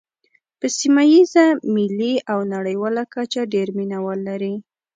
په سیمه ییزه، ملي او نړیواله کچه ډېر مینوال لري.